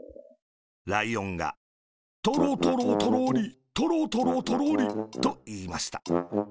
ライオンが「トロトロトロリ、トロトロ、トロリ。」と、いいました。